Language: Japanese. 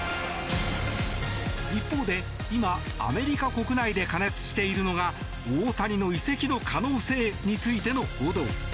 一方で、今アメリカ国内で過熱しているのが大谷の移籍の可能性についての報道。